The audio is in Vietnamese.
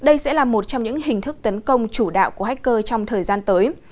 đây sẽ là một trong những hình thức tấn công chủ đạo của hacker trong thời gian tới